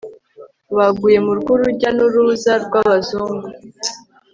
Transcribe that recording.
baguye mu rw'urujya n'uruza rw'abazungu